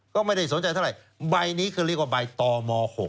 ก็ไม่ได้สนใจเท่าไหร่ใบนี้คือเรียกว่าใบตม๖